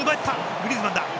グリーズマンだ。